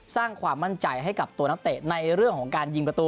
สร้างความมั่นใจให้กับตัวนักเตะในเรื่องของการยิงประตู